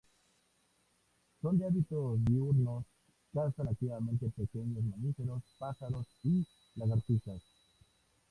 Son de hábitos diurnos: cazan activamente pequeños mamíferos, pájaros, y lagartijas..